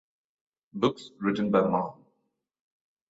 Books written by Ma.